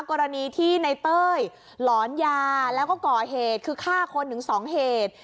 กรณีที่ในเต้ยหลอนยาแล้วก็ก่อเหตุคือฆ่าคนถึงสองเหตุ